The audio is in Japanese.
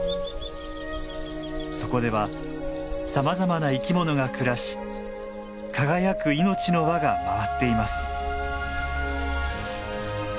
そこではさまざまな生き物が暮らし輝く命の輪が回っています。